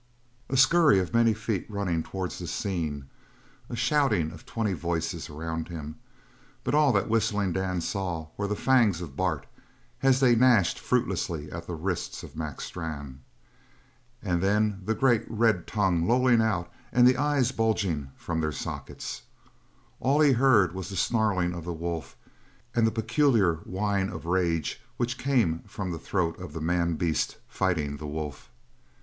A scurry of many feet running towards the scene; a shouting of twenty voices around him; but all that Whistling Dan saw were the fangs of Bart as they gnashed fruitlessly at the wrists of Mac Strann, and then the great red tongue lolling out and the eyes bulging from their sockets all he heard was the snarling of the wolf and the peculiar whine of rage which came from the throat of the man beast fighting the wolf.